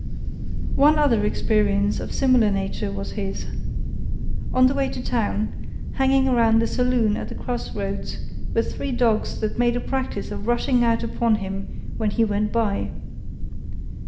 One other experience of similar nature was his. On the way to town, hanging around the saloon at the cross roads, were three dogs that made a practice of rushing out upon him when he went by.